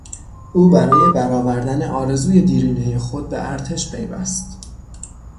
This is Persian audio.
او برای برآوردن آرزوی دیرینهٔ خود به ارتش پیوست.